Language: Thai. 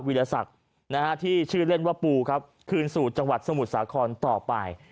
วิทยาศักดิ์ที่ชื่อเล่นว่าปูครับคืนสู่จังหวัดสมุทรสาครต่อไป